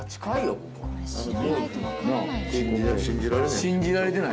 信じられない。